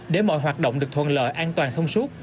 để mọi hoạt động được thuận lợi an toàn thông suốt